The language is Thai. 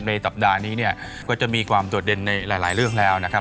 ในสัปดาห์นี้เนี่ยก็จะมีความโดดเด่นในหลายเรื่องแล้วนะครับ